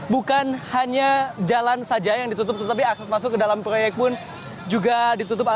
bukan hanya jalan saja yang ditutup tetapi akses masuk ke dalam proyek pun juga ditutup